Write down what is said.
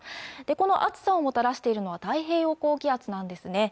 この暑さをもたらしているのは太平洋高気圧なんですね